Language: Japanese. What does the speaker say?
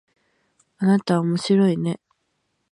あなたおもしろいね